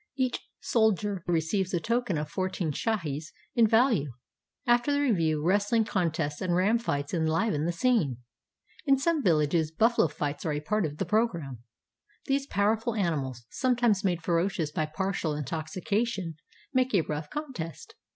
Each soldier receives a token of four teen shahis in value. After the review, wresthng con tests and ram fights enHven the scene. In some vil lages buflalo fights are a part of the programme. These powerful animals, sometimes made ferocious by partial intoxication, make a rough contest.